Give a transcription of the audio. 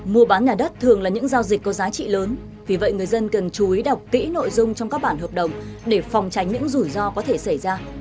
mua bán nhà đất thường là những giao dịch có giá trị lớn vì vậy người dân cần chú ý đọc kỹ nội dung trong các bản hợp đồng để phòng tránh những rủi ro có thể xảy ra